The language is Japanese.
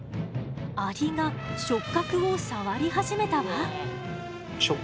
アリが触角を触り始めたわ。